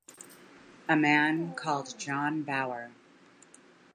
A man called John Bauer.